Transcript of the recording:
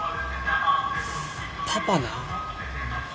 パパな。